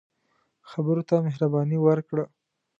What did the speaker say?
خبرو ته مهرباني ورکړه